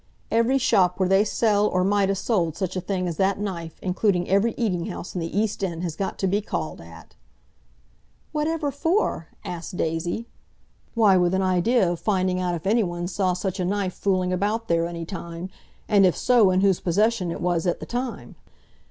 Every shop where they sell or might a' sold, such a thing as that knife, including every eating house in the East End, has got to be called at!" "Whatever for?" asked Daisy. "Why, with an idea of finding out if anyone saw such a knife fooling about there any time, and, if so, in whose possession it was at the time.